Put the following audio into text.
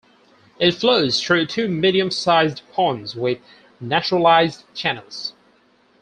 It flows through two medium-sized ponds with naturalized channels.